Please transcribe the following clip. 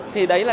thì đấy là